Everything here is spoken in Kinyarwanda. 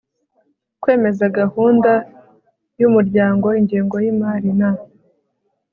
kwemeza gahunda y umuryango ingengo y imari na